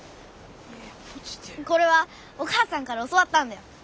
これはお母さんから教わったんだよ。